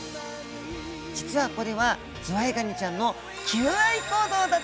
実はこれはズワイガニちゃんの求愛行動だったんです！